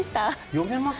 読めます？